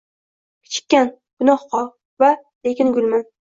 Kechikkan, gunohkor… va lekin gulman.